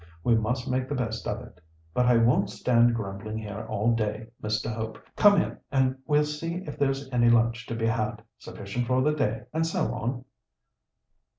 We must make the best of it. But I won't stand grumbling here all day, Mr. Hope. Come in and we'll see if there's any lunch to be had. 'Sufficient for the day,' and so on?"